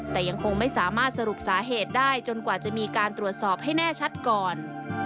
แต่ยังคงไม่สามารถสรุปสาเหตุได้จนกว่าจะมีการตรวจสอบให้แน่ชัดก่อน